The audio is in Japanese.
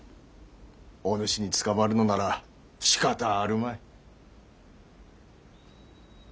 おぬしに捕まるのならしかたあるまい。